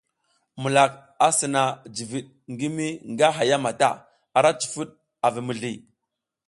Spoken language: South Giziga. Mulak a sina jiviɗ ngi mi nga haya mata, ara cifud a vi mizli.